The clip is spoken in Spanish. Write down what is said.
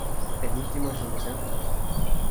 El último es el deseo de morir.